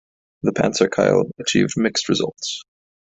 The "panzerkeil" achieved mixed results.